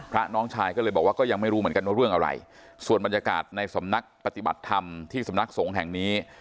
น้องชายก็เลยบอกว่าก็ยังไม่รู้เหมือนกันว่าเรื่องอะไรส่วนบรรยากาศในสำนักปฏิบัติธรรมที่สำนักสงฆ์แห่งนี้